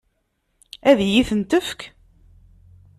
Ad iyi-tent-tefk?